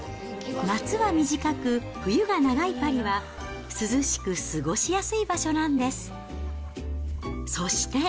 夏は短く、冬が長いパリは、涼しく過ごしやすい場所なんです。